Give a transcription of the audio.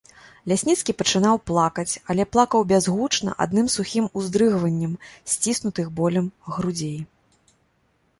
Лясніцкі пачынаў плакаць, але плакаў бязгучна, адным сухім уздрыгваннем сціснутых болем грудзей.